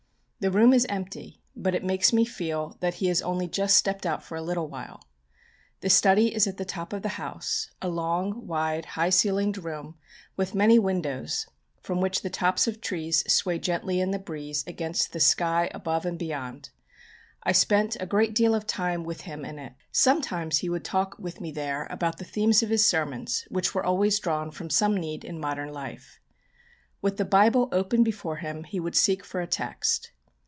The room is empty, but it makes me feel that he has only just stepped out for a little while. The study is at the top of the house, a long, wide, high ceilinged room with many windows, from which the tops of trees sway gently in the breeze against the sky above and beyond. I spent a great deal of time with him in it. Sometimes he would talk with me there about the themes of his sermons which were always drawn from some need in modern life. With the Bible open before him he would seek for a text.